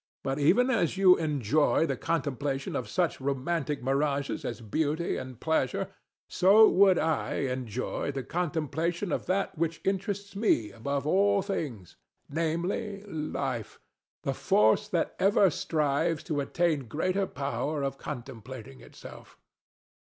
But even as you enjoy the contemplation of such romantic mirages as beauty and pleasure; so would I enjoy the contemplation of that which interests me above all things namely, Life: the force that ever strives to attain greater power of contemplating itself.